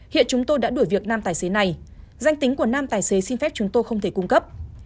hiện chúng tôi đã đuổi việc năm tài xế này danh tính của nam tài xế xin phép chúng tôi không thể cung cấp